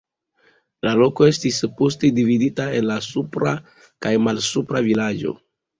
La loko estis poste dividita en la supra kaj malsupra vilaĝo.